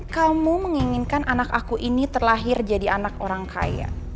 kamu menginginkan anak aku ini terlahir jadi anak orang kaya